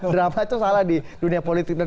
drama itu salah di dunia politik dan